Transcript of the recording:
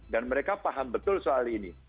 mereka paham betul soal ini